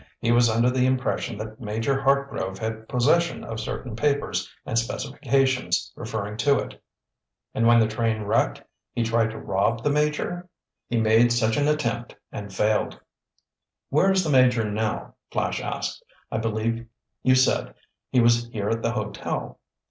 He was under the impression that Major Hartgrove had possession of certain papers and specifications referring to it." "And when the train was wrecked he tried to rob the Major?" "He made such an attempt and failed." "Where is the Major now?" Flash asked. "I believe you said he was here at the hotel."